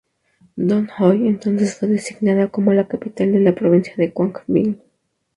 Dong Hoi entonces fue designada como la capital de la provincia de Quảng Bình.